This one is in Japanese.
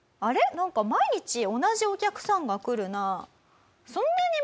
なんか毎日同じお客さんが来るなあ。